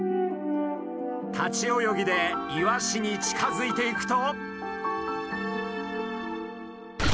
立ち泳ぎでイワシに近づいていくと。